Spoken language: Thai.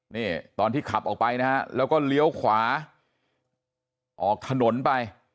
นี่ตอนที่ขับออกไปนะฮะแล้วก็เลี้ยวขวาออกถนนไป